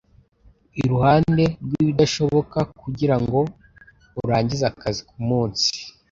iruhande rwibidashoboka kugirango urangize akazi kumunsi